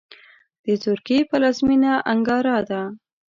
د ترکیې پلازمېنه انکارا ده .